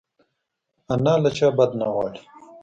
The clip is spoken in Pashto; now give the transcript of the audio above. انا له چا بد نه غواړي